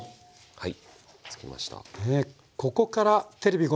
はい。